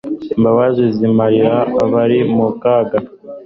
imbabazi ziramira abari mu kaga